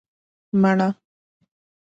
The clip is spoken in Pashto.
🍏 مڼه